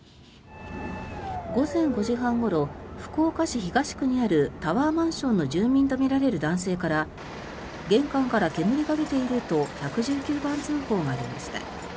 午前５時半ごろ福岡市東区にあるタワーマンションの住民とみられる男性から玄関から煙が出ていると１１９番通報がありました。